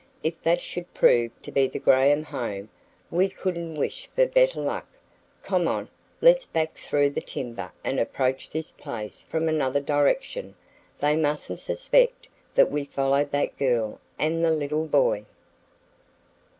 If that should prove to be the Graham home we couldn't wish for better luck. Come on; let's back through the timber and approach this place from another direction. They mustn't suspect that we followed that girl and the little boy."